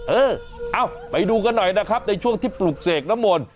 เออเอาไปดูกันหน่อยนะครับในช่วงที่ปลุกเสกน้ำมนต์